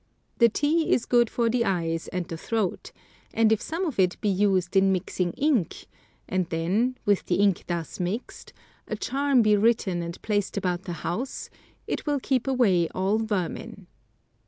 The tea is good for the eyes and the throat, and if some of it be used in mixing ink, and then, with the ink thus mixed, a charm be written and placed about the house, it will keep away all vermin.